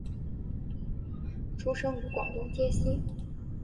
出生于广东揭西。